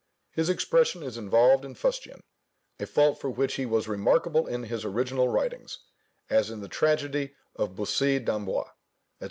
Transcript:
His expression is involved in fustian; a fault for which he was remarkable in his original writings, as in the tragedy of Bussy d'Amboise, &c.